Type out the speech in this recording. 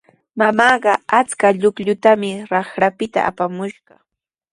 Mamaaqa achka chuqllutami raqrapita apamushqa.